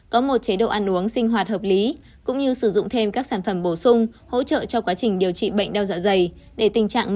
có một chế độ ăn uống sinh hoạt hợp lý cũng như sử dụng thêm các sản phẩm bổ sung hỗ trợ cho quá trình điều trị bệnh đau dạ dày để tình trạng mau lành hơn